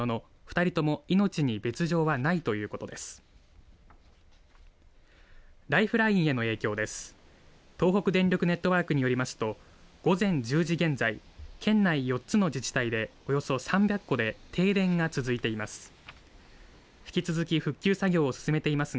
東北電力ネットワークによりますと午前１０時現在、県内４つの自治体でおよそ３００戸で停電が続いています。